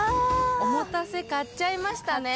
おもたせ買っちゃいましたね。